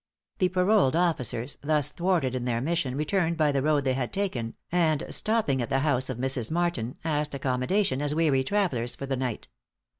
The paroled officers, thus thwarted in their mission, returned by the road they had taken, and stopping at the house of Mrs. Martin, asked accommodation as weary travellers, for the night.